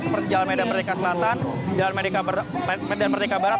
seperti jalan medan merdeka selatan jalan medan merdeka barat